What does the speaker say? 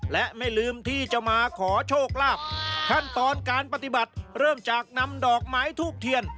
และไม่ลืมที่จะมาขอโชคลาภขั้นตอนการปฏิบัติเริ่มจากนำดอกไม้ทูบเทียน